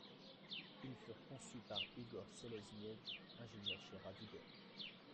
Ils furent conçus par Igor Seleznyev, ingénieur chez Raduga.